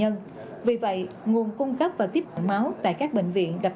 đối với đối tượng nhập cảnh vào việt nam hiện nay